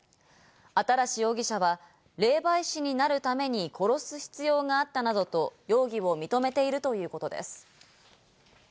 新容疑者は、霊媒師になるために殺す必要があったなどと容疑を認めているということです。